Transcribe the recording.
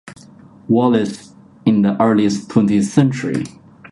Wallis in the early twentieth century.